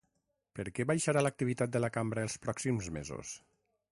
Per què baixarà l'activitat de la cambra els pròxims mesos?